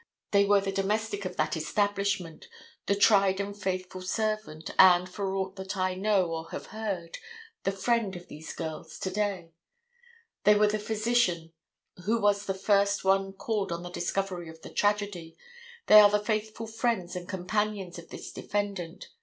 They were the domestic of that establishment, the tried and faithful servant, and, for aught that I know or have heard, the friend of these girls to day. They were the physician who was the first one called on the discovery of the tragedy. They are the faithful friends and companions of this defendant.